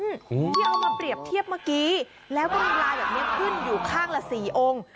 ที่เอามาเปรียบเทียบเมื่อกี้แล้วก็มีลายแบบนี้ขึ้นอยู่ข้างละ๔องค์